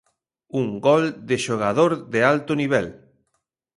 Un gol de xogador de alto nivel.